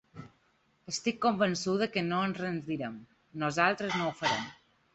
Estic convençuda que no ens rendirem; nosaltres no ho farem.